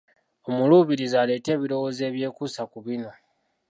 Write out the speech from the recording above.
Omuluubirizi aleete ebirowoozo ebyekuusa ku bino.